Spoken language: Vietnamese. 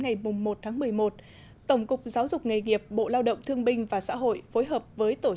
ngày một tháng một mươi một tổng cục giáo dục nghề nghiệp bộ lao động thương binh và xã hội phối hợp với tổ